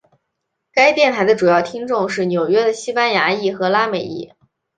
该电台的主要听众是纽约的西班牙裔和拉美裔。